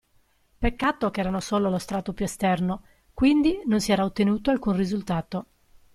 Peccato che erano solo lo strato più esterno, quindi non si era ottenuto alcun risultato.